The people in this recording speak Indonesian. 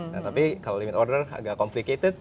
nah tapi kalau limit order agak complicated